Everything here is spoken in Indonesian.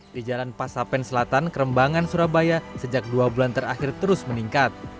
di jalan pasapen selatan kerembangan surabaya sejak dua bulan terakhir terus meningkat